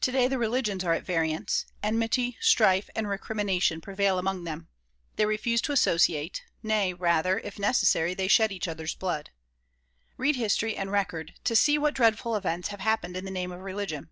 Today the religions are at variance ; enmity, strife and recrimination prevail among them; they refuse to associate, nay, rather, if necessary they shed each other's blood. Read history and record to see what dreadful events have hap pened in the name of religion.